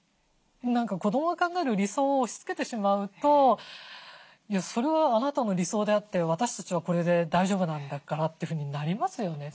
子どもが考える理想を押しつけてしまうと「それはあなたの理想であって私たちはこれで大丈夫なんだから」というふうになりますよね。